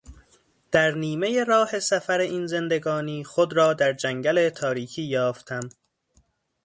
در نیمهی راه سفر این زندگانی خود را در جنگل تاریکی یافتم.